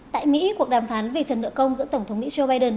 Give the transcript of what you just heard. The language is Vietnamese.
tại mỹ cuộc đàm phán về trần nợ công giữa tổng thống mỹ joe biden